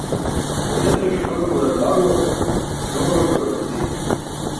Ġuniqi̇ṣ goc̣uwar maẏo, śuwa goc̣uwar ruzi